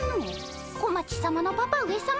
小町さまのパパ上さま